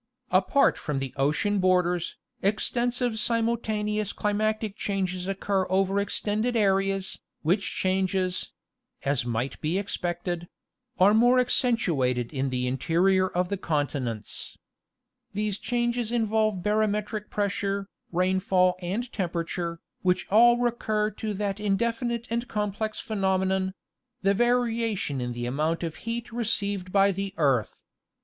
Apart from the ocean borders, extensive simultaneous climatic changes occur over extended areas, which changes—as might be expected—are more accentuated in the interior of the continents. _ These changes involve barometric pressure, rainfall and tempera ture, which all recur to that indefinite and complex phenomenon— the variation in the amount of heat received by the earth.